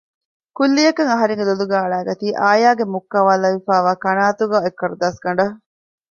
ކުއްލިއަކަށް އަހަރެންގެ ލޮލުގައި އަޅައިގަތީ އާޔާގެ މުއްކަވާލައިފައިވާ ކަނާއަތުގައި އޮތް ކަރުދާސް ގަނޑެއް